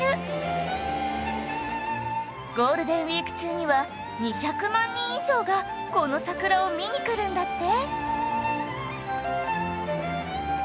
ゴールデンウィーク中には２００万人以上がこの桜を見に来るんだって